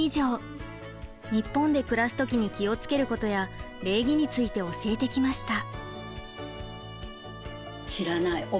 日本で暮らす時に気をつけることや礼儀について教えてきました。